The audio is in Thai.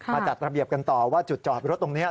จัดระเบียบกันต่อว่าจุดจอดรถตรงนี้